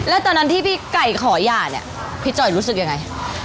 แล้วตอนนั้นที่พี่ไก่ขอหย่าเนี่ยพี่จ่อยรู้สึกยังไง